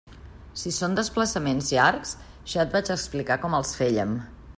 Si són desplaçaments llargs, ja et vaig explicar com els féiem.